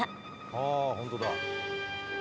あ本当だ。